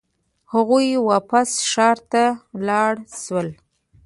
هغوی واپس ښار ته لاړ شول.